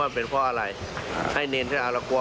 ไต้เนียมขอแม่ว่าตายอย่างเดียว